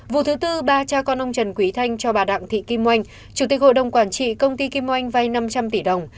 vụ thứ tư ba cha con ông trần quý thanh cho bà đặng thị kim oanh chủ tịch hội đồng quản trị công ty kim oanh vay năm trăm linh tỷ đồng